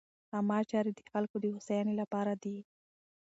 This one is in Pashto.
عامه چارې د خلکو د هوساینې لپاره دي.